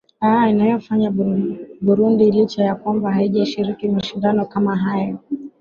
aa inayoifanya burundi licha ya kwamba haijashiriki mashindano kama hayo